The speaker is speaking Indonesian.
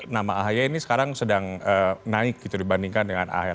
nama ahy ini sekarang sedang naik dibandingkan dengan ahr